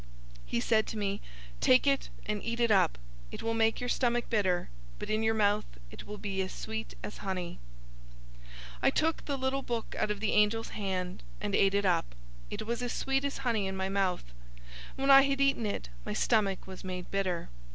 He said to me, "Take it, and eat it up. It will make your stomach bitter, but in your mouth it will be as sweet as honey." 010:010 I took the little book out of the angel's hand, and ate it up. It was as sweet as honey in my mouth. When I had eaten it, my stomach was made bitter.